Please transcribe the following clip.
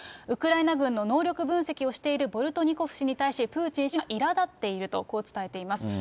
ウクライナ軍の能力分析をしているボルトニコフ氏に対し、プーチン氏がいら立っていると、こう伝えています。